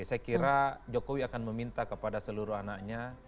saya kira jokowi akan meminta kepada seluruh anaknya